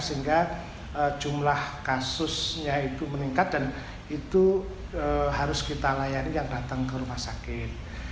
sehingga jumlah kasusnya itu meningkat dan itu harus kita layani yang datang ke rumah sakit